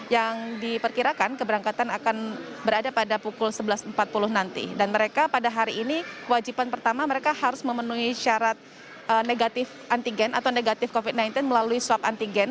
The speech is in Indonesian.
yang diperkirakan keberangkatan akan berada pada pukul sebelas empat puluh nanti dan mereka pada hari ini wajiban pertama mereka harus memenuhi syarat negatif antigen atau negatif covid sembilan belas melalui swab antigen